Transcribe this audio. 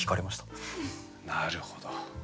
なるほど。